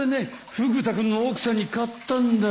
フグ田君の奥さんに買ったんだよ。